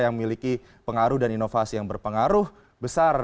yang memiliki pengaruh dan inovasi yang berpengaruh besar